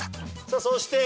さあそしてＢ。